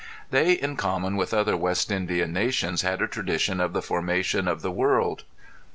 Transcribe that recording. They in common with other West Indian nations had a tradition of the formation of the world.